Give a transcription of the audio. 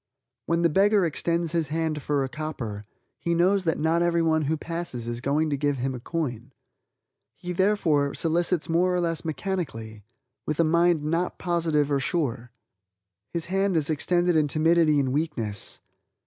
When the beggar extends his hand for a copper, he knows that not everyone who passes is going to give him a coin. He, therefore, solicits more or less mechanically, with a mind not positive or sure. His hand is extended in timidity and weakness.